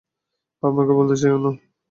আমাকে বলতে চাওনা?